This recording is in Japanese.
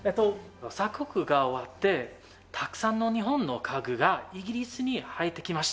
鎖国が終わってたくさん日本の家具がイギリスに入ってきました。